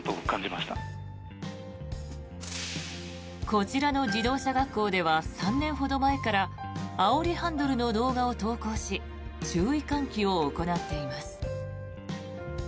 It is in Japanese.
こちらの自動車学校では３年ほど前からあおりハンドルの動画を投稿し注意喚起を行っています。